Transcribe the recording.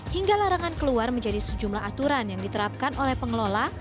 hingga larangan keluar menjadi sejumlah aturan yang diterapkan oleh pengelola